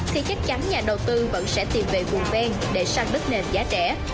thì chắc chắn nhà đầu tư vẫn sẽ tìm về vùng ven để sang đất nền giá rẻ